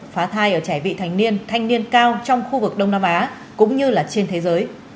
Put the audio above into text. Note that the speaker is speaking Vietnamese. phá thai ở trẻ vị thành niên thanh niên cao trong khu vực đông nam á cũng như là trên thế giới